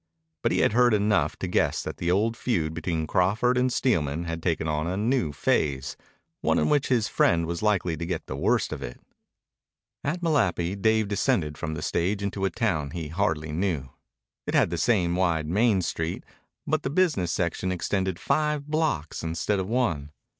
But he had heard enough to guess that the old feud between Crawford and Steelman had taken on a new phase, one in which his friend was likely to get the worst of it. At Malapi Dave descended from the stage into a town he hardly knew. It had the same wide main street, but the business section extended five blocks instead of one.